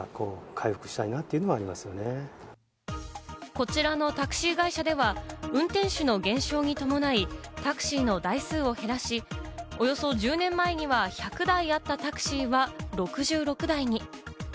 こちらのタクシー会社では、運転手の減少に伴いタクシーの台数を減らし、およそ１０年前には１００台あったタクシーは６６台に。